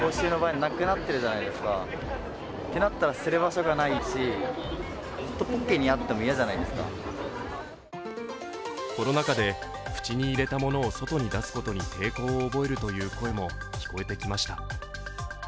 街で聞いてみてもコロナ禍で口に入れたものを外に出すことに抵抗を覚えるという声も聞こえてきました。